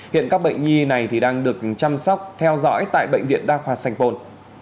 hiện các bệnh nhi này đang được chăm sóc theo dõi tại bệnh viện đa khoa sành pôn